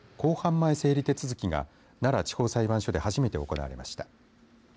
前整理手続きが奈良地方裁判所で初めて行われました。